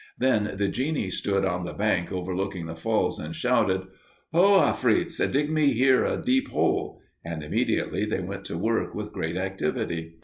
Then the genie stood on the bank overlooking the falls and shouted: "Ho, afrits! Dig me here a deep hole!" And immediately they went to work with great activity.